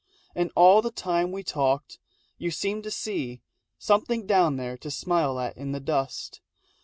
And all the time we talked you seemed to see Something down there to smile at in the dust.